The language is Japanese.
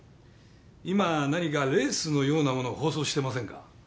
今何かレースのようなものを放送してませんか？